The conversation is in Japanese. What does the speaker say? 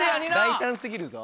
大胆過ぎるぞ。